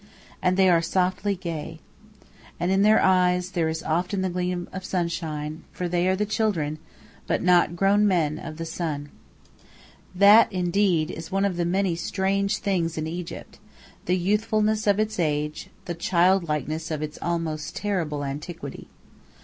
And they are softly gay. And in their eyes there is often the gleam of sunshine, for they are the children but not grown men of the sun. That, indeed, is one of the many strange things in Egypt the youthfulness of its age, the childlikeness of its almost terrible antiquity.